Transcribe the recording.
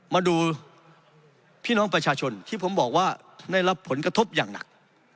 มาดูพี่น้องประชาชนที่ผมบอกว่าได้รับผลกระทบอย่างหนัก